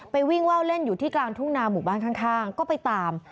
วิ่งว่าวเล่นอยู่ที่กลางทุ่งนาหมู่บ้านข้างก็ไปตาม